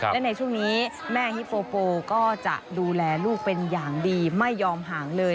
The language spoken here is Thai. และในช่วงนี้แม่ฮิโฟโปก็จะดูแลลูกเป็นอย่างดีไม่ยอมห่างเลย